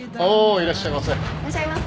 いらっしゃいませ。